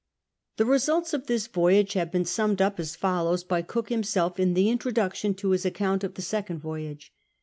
The results of this voyage have been summed up as follows by Cook himself in the introduction to his account of the second voyage.